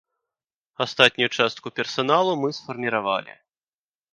Астатнюю частку персаналу мы сфарміравалі.